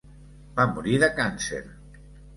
Va morir de càncer.